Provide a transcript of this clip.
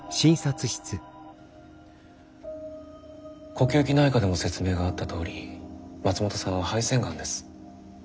呼吸器内科でも説明があったとおり松本さんは肺腺がんです。